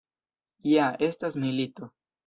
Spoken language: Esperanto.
Ja estas milito!